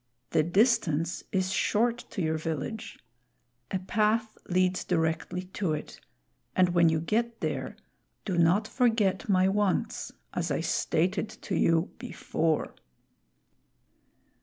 The distance is short to your village. A path leads directly to it, and when you get there, do not forget my wants as I stated to you before."